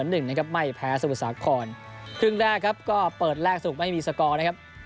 หมายแพ้สภุสาครครึ่งแรกครับก็เปิดแรกสภุสาครไม่มีดัลที่